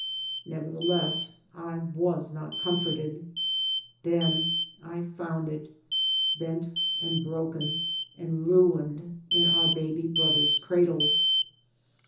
Neverthe less I was not comforted. Then I found it, bent and broken and ruined in our baby brother's cradle.